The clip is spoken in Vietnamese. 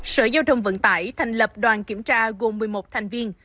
sở giao thông vận tải thành lập đoàn kiểm tra gồm một mươi một thành viên